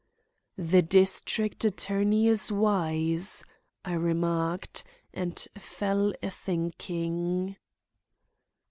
"The district attorney is wise," I remarked, and fell athinking.